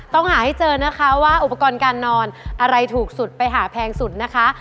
ต้องหาให้เจอนะคะว่าอุปกรณ์การนอนอะไรถูกสุดไปหาแพงสุดนะคะ